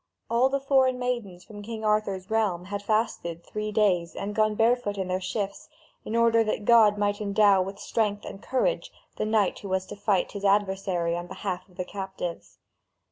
All the foreign maidens from King Arthur's realm had fasted three days and gone barefoot in their shifts, in order that God might endow with strength and courage the knight who was to fight his adversary on behalf of the captives.